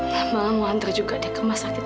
mama mau antar juga dia kemas sakit